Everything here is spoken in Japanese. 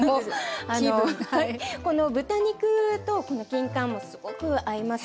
この豚肉とこのきんかんもすごく合います。